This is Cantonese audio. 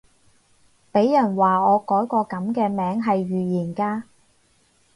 俾人話我改個噉嘅名係預言家